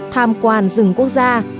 tham quan rừng quốc gia